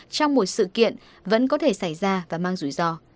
trong một sự kiện vẫn có thể xảy ra và mang rủi ro